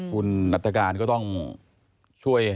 คุณนัตการก็ต้องช่วย